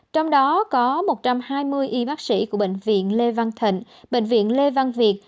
trong đó có một trăm hai mươi y bác sĩ của bệnh viện lê văn thịnh bệnh viện lê văn việt